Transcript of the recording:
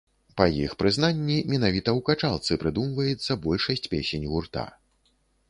Па іх прызнанні, менавіта ў качалцы прыдумваецца большасць песень гурта.